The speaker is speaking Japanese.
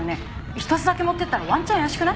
１つだけ持っていったらワンチャン怪しくない？